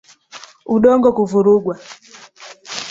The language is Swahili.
Udongo kuvurugwa